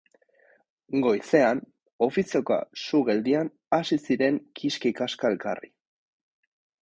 Goizean ofizioka su geldian hasi ziren kiski kaska elkarri.